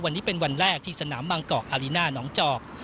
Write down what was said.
วันนี้เป็นวันแรกที่สนามบางเกาะอารีน่าน้องจอก